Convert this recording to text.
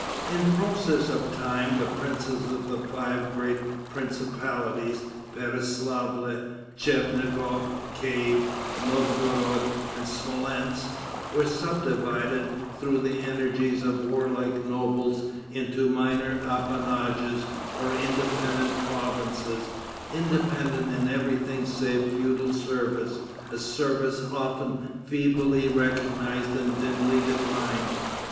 In process of time the princes of the five great principalities, Pereiaslavle, Tchernigof, Kief, Novgorod and Smolensk, were subdivided, through the energies of warlike nobles, into minor appanages, or independent provinces, independent in every thing save feudal service, a service often feebly recognized and dimly defined.